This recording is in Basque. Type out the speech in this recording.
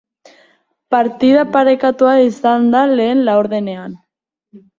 Partida parekatua izan da lehen laurdenean.